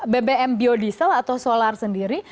bbm biodiesel atau solar sendiri